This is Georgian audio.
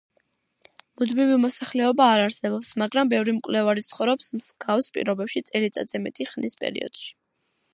მუდმივი მოსახლეობა არ არსებობს, მაგრამ ბევრი მკვლევარი ცხოვრობს მსგავს პირობებში წელიწადზე მეტი ხნის პერიოდში.